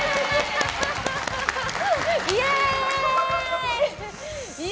イエーイ！